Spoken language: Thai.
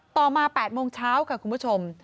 ต่อมา๘โมงเช้าค่ะคุณผู้ชม